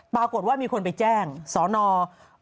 ปรากฏว่ามีคนไปแจ้งสอนบางกอกใหญ่